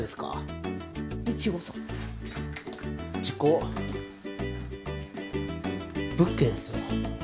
事故物件っすよ。